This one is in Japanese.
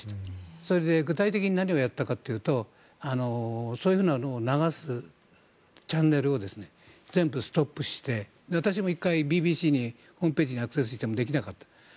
それで、具体的に何をやったかというとそういうのを流すチャンネルを全部ストップして私も１回、ＢＢＣのホームページにアクセスしてもできなかった。